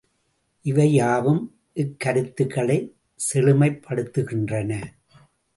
இவை யாவும், இக்கருத்துக்களை செழுமைப்படுத்துகின்றன.